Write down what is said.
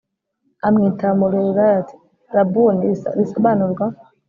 Amwitaba mu ruheburayo ati rabuni risobanurwa